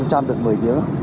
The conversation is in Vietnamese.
năm trăm linh chắc rồi